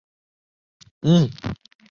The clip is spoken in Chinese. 萼凹入很深。